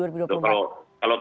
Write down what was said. kalau tanya saya tanya parpol itu